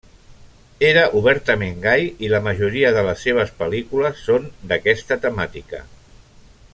Era obertament gai i la majoria de les seves pel·lícules són d'aquesta temàtica.